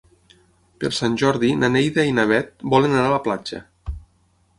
Per Sant Jordi na Neida i na Bet volen anar a la platja.